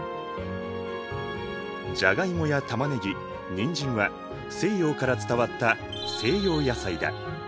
じゃがいもやたまねぎにんじんは西洋から伝わった西洋野菜だ。